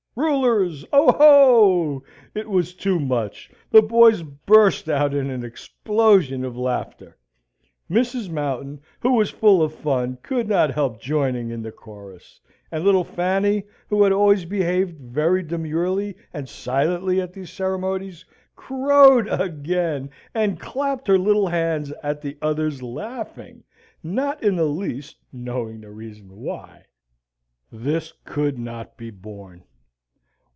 Rulers, o ho! It was too much. The boys burst out in an explosion of laughter. Mrs. Mountain, who was full of fun, could not help joining in the chorus; and little Fanny, who had always behaved very demurely and silently at these ceremonies, crowed again, and clapped her little hands at the others laughing, not in the least knowing the reason why. This could not be borne.